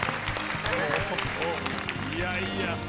いやいや。